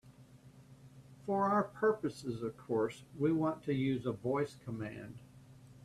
For our purposes, of course, we'll want to use a voice command.